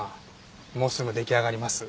もうすぐ出来上がります。